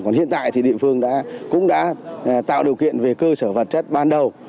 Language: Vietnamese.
còn hiện tại thì địa phương cũng đã tạo điều kiện về cơ sở vật chất ban đầu